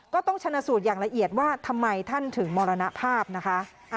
ก็ต้องชนะสูตรอย่างละเอียดว่าทำไมท่านถึงมรณภาพนะคะ